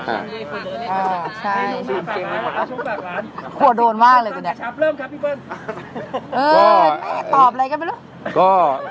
อ่าใช่โดนมากเลยคุณเนี้ยเออตอบอะไรกันไม่รู้